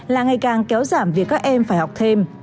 là ngày càng kéo giảm việc các em phải học thêm